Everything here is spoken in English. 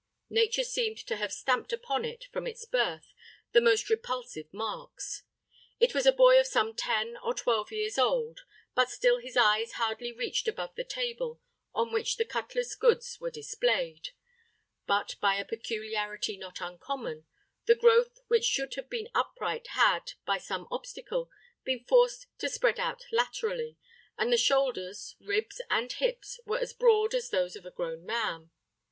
Nature seemed to have stamped upon it, from its birth, the most repulsive marks. It was a boy of some ten or twelve years old, but still his eyes hardly reached above the table on which the cutler's goods were displayed; but, by a peculiarity not uncommon, the growth which should have been upright had, by some obstacle, been forced to spread out laterally, and the shoulders, ribs, and hips were as broad as those of a grown man.